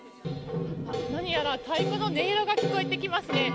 何やら太鼓の音色が聞こえてきますね。